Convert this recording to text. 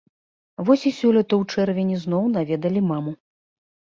Вось і сёлета ў чэрвені зноў наведалі маму.